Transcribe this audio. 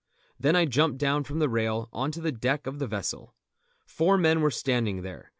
Then I jumped down from the rail on to the deck of the vessel. Four men were standing there.